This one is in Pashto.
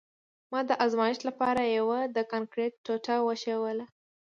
ما د ازمایښت لپاره یوه د کانکریټ ټوټه وښویوله